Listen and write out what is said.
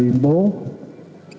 terima kasih bapak sarulimbo